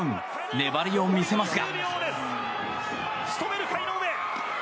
粘りを見せますが。